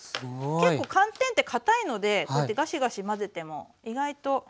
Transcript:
結構寒天ってかたいのでこうやってガシガシ混ぜても意外と崩れませんから。